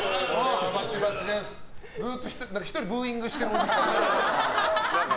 ずっと１人ブーイングしてるおじさんが。